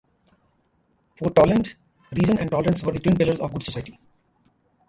For Toland, reason and tolerance were the twin pillars of the good society.